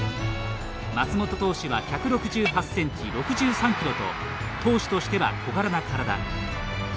松本投手は１６８ｃｍ、６３ｋｇと投手としては小柄な体。